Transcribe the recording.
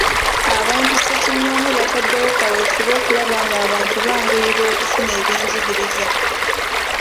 Abantu ssekinoomu bataddewo kaweefube okulaba nga abantu banguyirwa okufuna ebyenjigiriza.